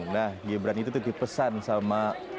nah gibran itu ditipesan sama